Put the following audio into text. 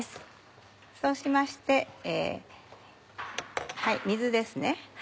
そうしまして水です。